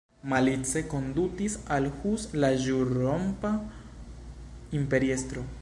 Malice kondutis al Hus la ĵurrompa imperiestro.